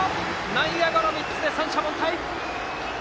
内野ゴロで三者凡退！